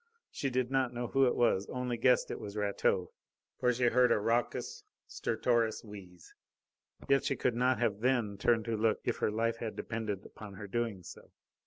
She did not know who it was, only guessed it was Rateau, for she heard a raucous, stertorous wheeze. Yet she could not have then turned to look if her life had depended upon her doing so.